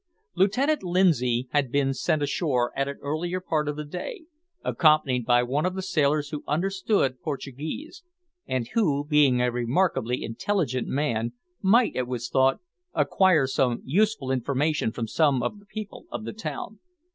Lieutenant Lindsay had been sent ashore at an earlier part of the day, accompanied by one of the sailors who understood Portuguese, and who, being a remarkably intelligent man, might, it was thought, acquire some useful information from some of the people of the town.